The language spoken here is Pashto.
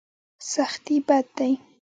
سختي بد دی.